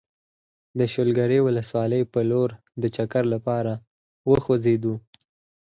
د شولګرې ولسوالۍ په لور د چکر لپاره وخوځېدو.